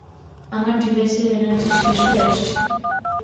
আমার ডিভাইসের এনার্জি শেষ হয়ে আসছে।